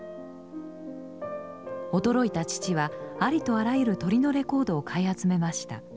驚いた父はありとあらゆる鳥のレコードを買い集めました。